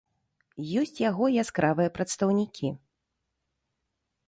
Ёсць яго яскравыя прадстаўнікі.